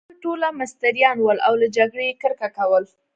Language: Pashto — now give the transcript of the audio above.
هغوی ټوله مستریان ول، او له جګړې يې کرکه کول.